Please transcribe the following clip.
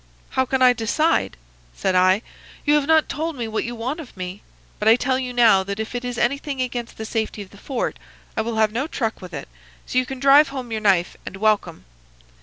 "'How can I decide?' said I. 'You have not told me what you want of me. But I tell you now that if it is anything against the safety of the fort I will have no truck with it, so you can drive home your knife and welcome.